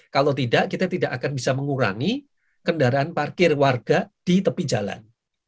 kalau tidak kita tidak akan bisa mengurangi kendaraan parkir warga di tepi jalan